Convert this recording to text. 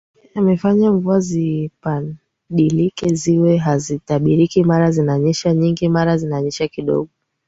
yamefanya mvua zipadilike ziwe hazitabiriki mara zinanyesha nyingi mara zinanyesha kidogo